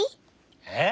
えっ？